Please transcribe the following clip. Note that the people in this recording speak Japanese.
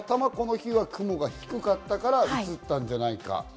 たまたま雲が低かったから映ったんじゃないか。